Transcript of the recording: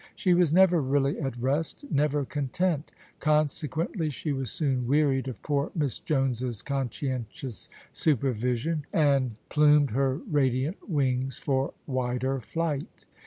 She was never really at rest — ^never content. Consequently she was soon wearied of poor Miss Jones's conscientious supervision, and plumed OF ISABEL CARNABY her raidiant wings for wider flight.